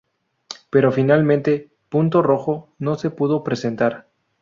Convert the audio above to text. Pero finalmente, "Punto Rojo" no se pudo presentar.